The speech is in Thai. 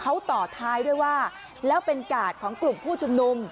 เขาต่อท้ายด้วยว่าแล้วเป็นกาดของกลุ่มผู้ชุมนุม